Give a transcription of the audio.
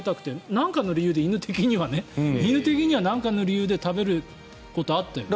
なんかの理由で犬的にはねなんかの理由で食べることあったよね。